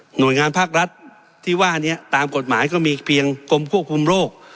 หน่วยงานภาครัฐที่ว่านี้ตามกฎหมายก็มีเพียงกรมควบคุมโรค